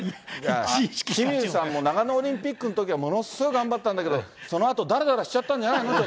清水さんも長野オリンピックのときはものすごい頑張ったんだけど、そのあとだらだらしちゃったんじゃないの？